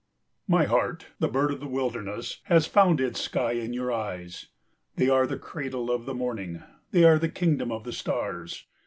31 My heart, the bird of the wilderness, has found its sky in your eyes. They are the cradle of the morning, they are the kingdom of the stars.